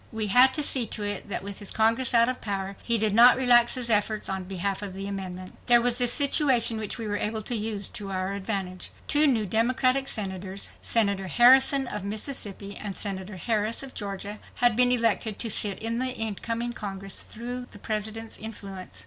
We had to see to it that, with his Congress out of ,power, he did not relax his efforts on behalf of the amendment. There was this situation which we were able to use to our advantage. Two new Democratic Senators, Senator Harrison of Mississippi and Senator Harris of Georgia, had been elected to sit in the incoming Congress through the President's influence.